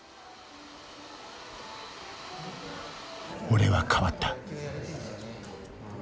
俺は変わった。